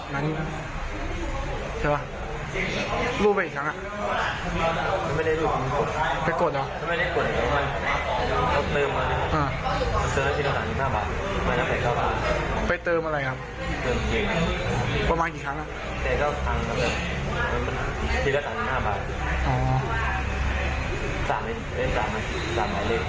ไปเติมอะไรครับประมาณกี่ครั้งล่ะ